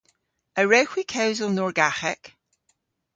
A wrewgh hwi kewsel Norgaghek?